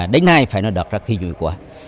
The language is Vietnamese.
đến nay phải nói đợt ra khi dụi quả